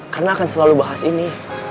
karena akan selalu bahas ini